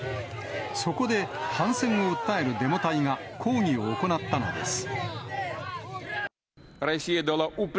そこで、反戦を訴えるデモ隊が抗議を行ったのです。